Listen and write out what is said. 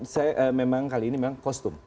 saya memang kali ini memang kostum